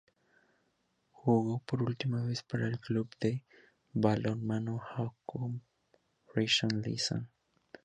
Jugó por última vez para el Club de Balonmano Hapoel Rishon-Lezion.